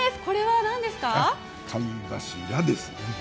これは何ですか？